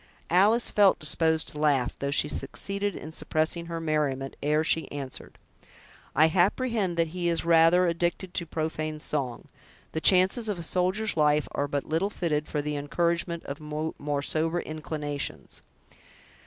Alice felt disposed to laugh, though she succeeded in suppressing her merriment, ere she answered: "I apprehend that he is rather addicted to profane song. The chances of a soldier's life are but little fitted for the encouragement of more sober inclinations."